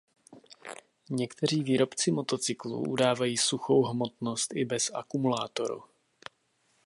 Někteří výrobci motocyklů udávají suchou hmotnost i bez akumulátoru.